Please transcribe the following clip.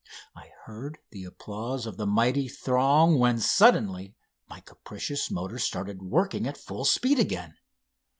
I heard the applause of the mighty throng, when suddenly my capricious motor started working at full speed again.